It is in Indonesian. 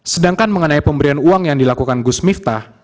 sedangkan mengenai pemberian uang yang dilakukan gus miftah